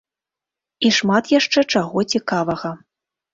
І шмат яшчэ чаго цікавага.